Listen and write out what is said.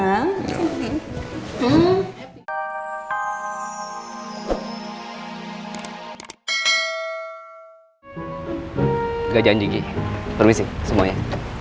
enggak janji permisi semuanya